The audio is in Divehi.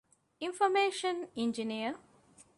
އިންފޮރމޭޝަން އިންޖިނިއަރ